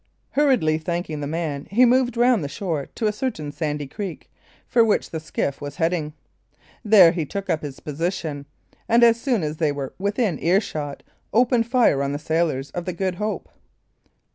Hurriedly thanking the man, he moved round the shore to a certain sandy creek, for which the skiff was heading. There he took up his position, and as soon as they were within earshot, opened fire on the sailors of the Good Hope.